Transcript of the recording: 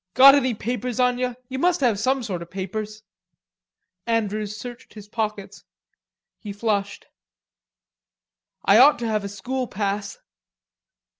"Got any papers on ye? Ye must have some sort of papers." Andrews searched his pockets. He flushed. "I ought to have a school pass."